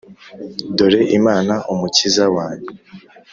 Dore Imana, Umukiza wanjye,